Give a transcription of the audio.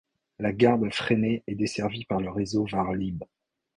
La Garde-Freinet est desservie par le réseau Varlib.